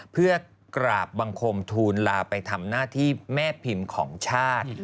เพื่อกราบบังคมทูลลาไปทำหน้าที่แม่พิมพ์ของชาติ